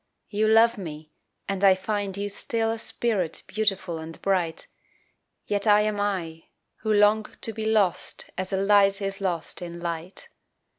You love me, and I find you still A spirit beautiful and bright, Yet I am I, who long to be Lost as a light is lost in light.